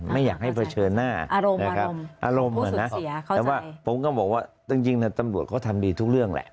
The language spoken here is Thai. ไม่อยากให้เผชิญหน้านะครับอารมณ์แต่ว่าผมก็บอกว่าจริงตำรวจเขาทำดีทุกเรื่องแหละ